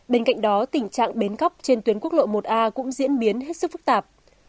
bên cạnh đó tình trạng bến cóc trên tuyến quốc lộ một a cũng diễn biến hết sức phức tạp